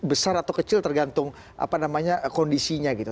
besar atau kecil tergantung kondisinya gitu